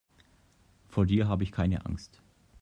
Vor dir habe ich keine Angst.